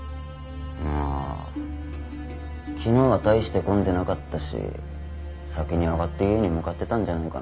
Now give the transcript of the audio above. ああ昨日は大して混んでなかったし先に上がって家に向かってたんじゃないかな。